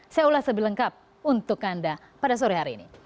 saya ulas lebih lengkap untuk anda pada sore hari ini